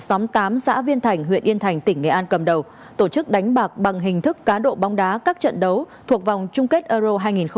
cơ quan cảnh sát điều tra công an huyện yên thành tỉnh nghệ an cầm đầu tổ chức đánh bạc bằng hình thức cá độ bóng đá các trận đấu thuộc vòng chung kết euro hai nghìn hai mươi